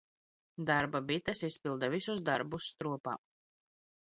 Darba bites izpilda visus darbus strop?.